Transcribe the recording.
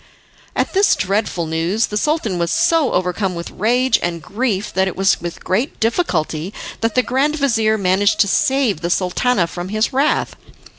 At this dreadful news the Sultan was so overcome with rage and grief that it was with great difficulty that the grand vizir managed to save the Sultana from his wrath.